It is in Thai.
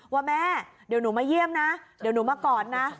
ว่าแม่เดี๋ยวหนูมาเยี่ยมนะเดี๋ยวหนูมากอดนะ